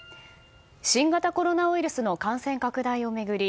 新型コロナウイルスの感染拡大を巡り